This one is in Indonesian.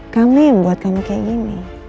kamu yang buat kamu kayak gini